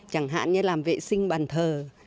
chẳng hạn như làm vệ sinh bàn thờ